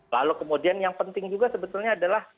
lalu kemudian yang penting juga sebetulnya adalah